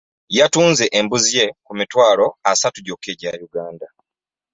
Yatunze embuzzi ye ku mitwalo asatu gyokka egya Uganda.